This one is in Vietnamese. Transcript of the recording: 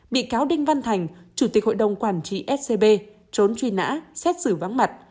bị cáo đinh văn thành chủ tịch hội đồng quản trị scb trốn truy nã xét xử vắng mặt